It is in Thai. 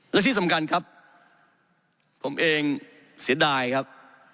และที่สำคัญครับผมเองเสียดายครับ